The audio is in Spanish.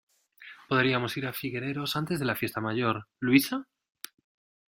Podríamos ir a Figureros antes de la fiesta mayor, ¿Luisa?